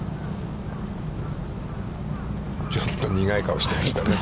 ちょっと苦い顔していましたよね。